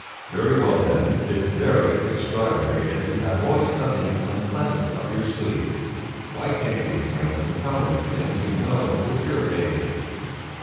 '" "Very well, then, it's very extraordinary that you have always something unpleasant up your sleeve. Why can't you refrain from telling me things you know will irritate me?"